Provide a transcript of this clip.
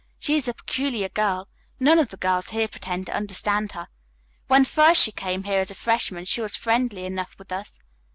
She is a peculiar girl. None of the girls here pretend to understand her. When first she came here as a freshman she was friendly enough with us.